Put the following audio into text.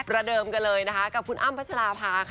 ระเดิมกันเลยนะคะกับคุณอ้ำพัชราภาค่ะ